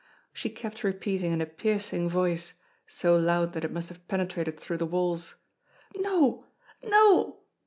She kept repeating in a piercing voice, so loud that it must have penetrated through the walls: "No! no!